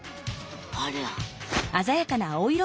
ありゃ！